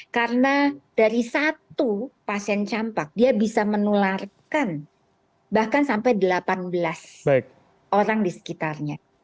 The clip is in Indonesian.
karena dari satu pasien campak dia bisa menularkan bahkan sampai delapan belas orang di sekitarnya